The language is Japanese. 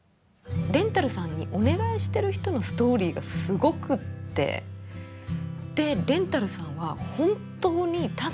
レンタルさんにお願いしてる人のストーリーがすごくってでレンタルさんは本当にただ本当にいるだけなので。